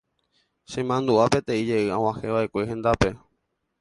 Chemandu'a peteĩ jey ag̃uahẽva'ekue hendápe.